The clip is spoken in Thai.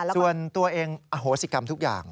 ส่วนตัวเองอโหสิกรรมทุกอย่าง